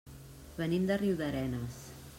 Venim de Riudarenes.